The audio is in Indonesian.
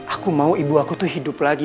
aku mau ibu aku tuh hidup lagi